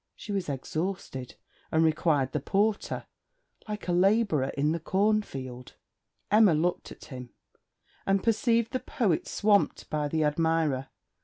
She was exhausted, and required the porter, like a labourer in the cornfield.' Emma looked at him, and perceived the poet swamped by the admirer.